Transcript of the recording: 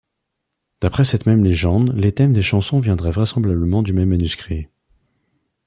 D'après cette même légende, les thèmes des chansons viendraient vraisemblablement du même manuscrit.